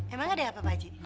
emang ada apa pak haji